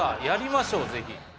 やりましょうぜひ。